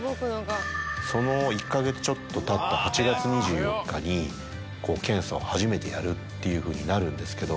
その１か月ちょっとたった８月２４日に検査を初めてやるというふうになるんですけどもこれが。